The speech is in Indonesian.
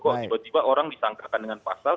kok tiba tiba orang disangkakan dengan pasal